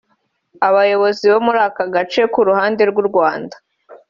Aboyobozi bo muri aka gace ku ruhande rw’u Rwanda